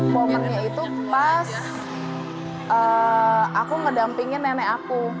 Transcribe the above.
momennya itu pas aku ngedampingin nenek aku